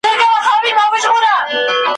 چا ویل چي په خلوت کي د ګناه زڼي ښخیږي ,